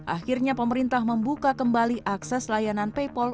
akhirnya pemerintah membuka kembali akses layanan paypal